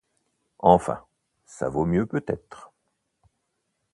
Enfin, ça vaut mieux peut-être.